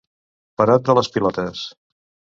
Perot de les pilotes.